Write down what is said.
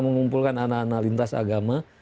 mengumpulkan anak anak lintas agama